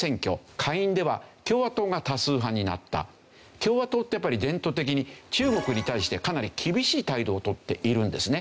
下院では共和党ってやっぱり伝統的に中国に対してかなり厳しい態度を取っているんですね。